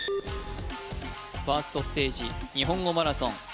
ファーストステージ日本語マラソン